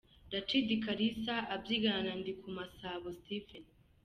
Rachid Kalisa abyigana na Ndikumasabo Steven .